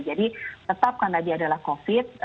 jadi tetap karena dia adalah covid sembilan belas